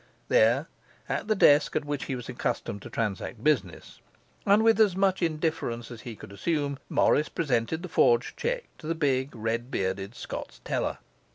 There, at the desk at which he was accustomed to transact business, and with as much indifference as he could assume, Morris presented the forged cheque to the big, red bearded Scots teller.